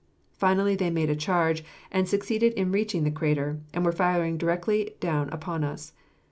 Finally they made a charge, and succeeded in reaching the crater, and were firing directly down upon us.